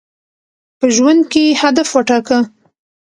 په ژوند کي هدف وټاکه.